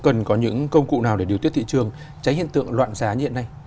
cần có những công cụ nào để điều tiết thị trường tránh hiện tượng loạn giá như hiện nay